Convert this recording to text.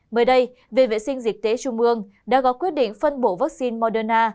mới đây viện vệ sinh dịch tế trung ương đã có quyết định phân bổ vaccine moderna